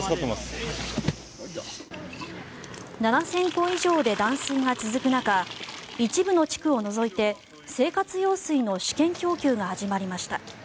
７０００戸以上で断水が続く中一部の地区を除いて生活用水の試験供給が始まりました。